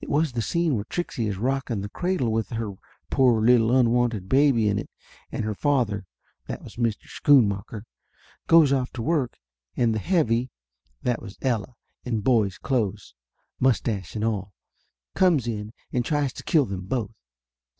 It was the scene where Trixie is rocking the cradle with her poor little unwanted baby in it, and her father that was Mr. Schoonmacker goes off to work, and the heavy that was Ella, in boy's clothes, mustache and all comes in and tries to kill them both.